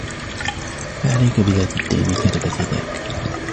فَعَلَيْك بِذَاتِ الدِّينِ تَرِبَتْ يَدَاك